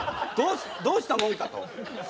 どうしたもんかと。